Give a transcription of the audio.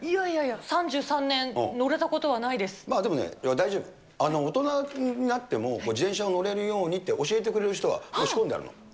いやいや、３３年乗れたことでもね、大丈夫、大人になっても、自転車に乗れるようにって教えてくれる人は仕込んであるの。